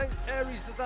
menurut penguasa atlet